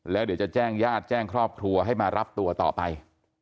แล้วเดี๋ยวจะแจ้งญาติแจ้งครอบครัวให้มารับตัวต่อไป